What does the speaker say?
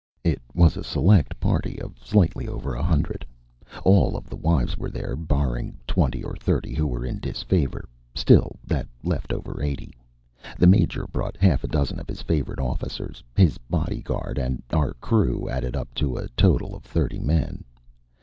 It was a select party of slightly over a hundred. All of the wives were there, barring twenty or thirty who were in disfavor still, that left over eighty. The Major brought half a dozen of his favorite officers. His bodyguard and our crew added up to a total of thirty men.